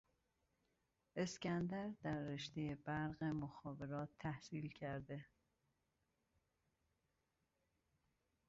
اسکندر در رشته برق مخابرات تحصیل کرده